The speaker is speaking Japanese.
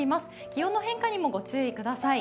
気温の変化にもご注意ください。